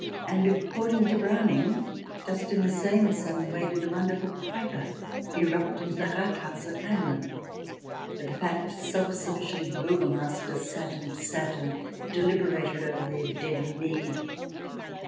And, according to Browning, just in the same sudden way did the wonderful piper irrupt into the Rathhaus at Hamelin, where the fat, self sufficient burgomasters sat and sat, and deliberated over their deadly need.